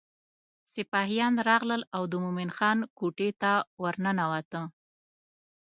سپاهیان راغلل او د مومن خان کوټې ته ورننوته.